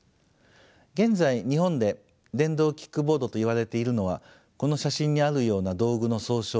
現在日本で電動キックボードと言われているのはこの写真にあるような道具の総称です。